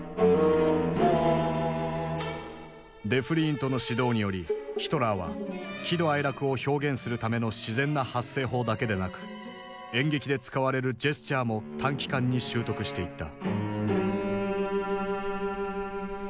デフリーントの指導によりヒトラーは喜怒哀楽を表現するための自然な発声法だけでなく演劇で使われるジェスチャーも短期間に習得していった。